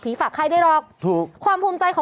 พี่ขับรถไปเจอแบบ